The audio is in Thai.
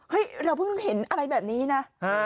เราเพิ่งเห็นอะไรแบบนี้นะ